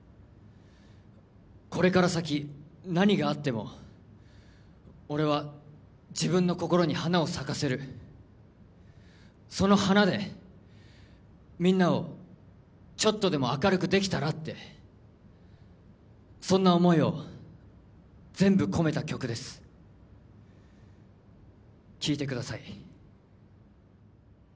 これから先何があっても俺は自分の心に花を咲かせるその花でみんなをちょっとでも明るくできたらってそんな思いを全部込めた曲です聴いてください